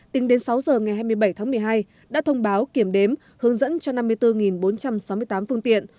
tính đến sáu giờ ngày hai mươi bảy tháng một mươi hai đã thông báo kiểm đếm hướng dẫn cho năm mươi bốn bốn trăm sáu mươi tám phương tiện